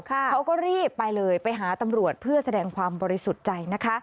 เขาก็รีบไปหาตำรวจเพื่อแสดงความบริสุทธิ์ใจ